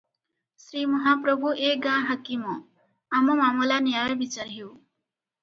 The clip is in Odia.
ଶ୍ରୀମହାପ୍ରଭୁ ଏ ଗାଁ ହାକିମ, ଆମ ମାମଲା ନ୍ୟାୟ ବିଚାର ହେଉ ।